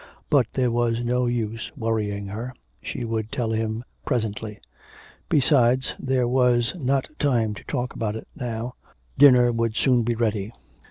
But there was no use worrying her, she would tell him presently. Besides, there was not time to talk about it now, dinner would soon be ready.